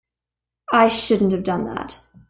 I shouldn't have done that.